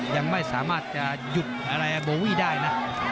ยังไม่สามารถจะหยุดอะไรโบวี่ได้นะ